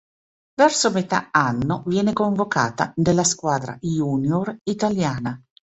Verso metà anno viene convocata nella squadra junior italiana.